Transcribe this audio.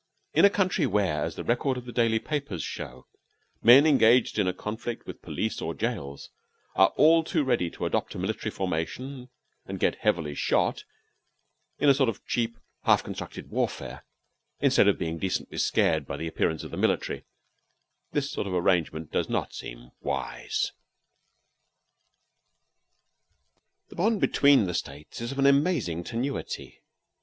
In a country where, as the records of the daily papers show, men engaged in a conflict with police or jails are all too ready to adopt a military formation and get heavily shot in a sort of cheap, half constructed warfare, instead of being decently scared by the appearance of the military, this sort of arrangement does not seem wise. The bond between the States is of an amazing tenuity.